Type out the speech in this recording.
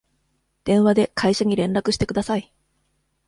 電話で会社に連絡してください。